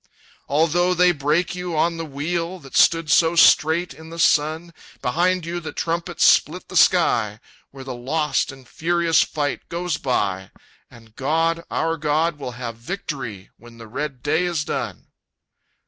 "Although they break you on the wheel, That stood so straight in the sun, Behind you the trumpets split the sky, Where the lost and furious fight goes by And God, our God, will have victory When the red day is done!"